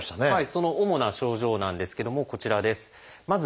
その主な症状なんですけどもこちらです。などがあります。